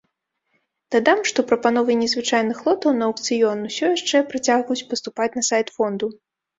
Дадам, што прапановы незвычайных лотаў на аўкцыён усё яшчэ працягваюць паступаць на сайт фонду.